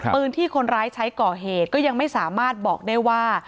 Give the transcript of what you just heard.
ปืนที่คนร้ายใช้ก่อเหตุก็ยังไม่สามารถบอกได้ว่า